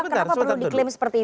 kenapa perlu diklaim seperti ini